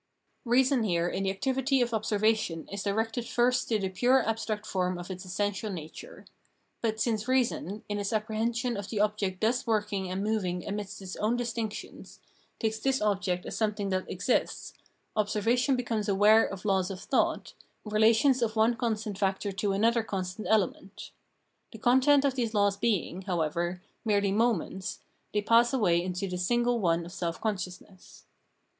Reason here in the activity of observation is directed first to the pure abstract form of its essential nature. But since reason, in its apprehension of the object thus working and moving amidst its own distinctions takes 332 Phenomenology of Mind this object as something that exists, observation becomes aware of laws of thought, relations of one constant factor to another constant element. The content of these laws being, however, merely moments, they pass away into the single one of self consciousness.